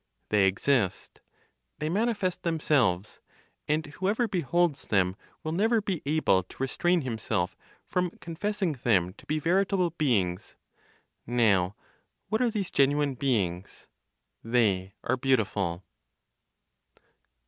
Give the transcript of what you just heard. They exist, they manifest themselves, and whoever beholds them will never be able to restrain himself from confessing them to be veritable beings. Now what are these genuine beings? They are beautiful.